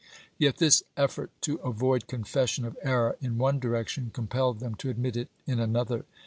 Yet this effort to avoid confession of error in one direction compelled them to admit it in another.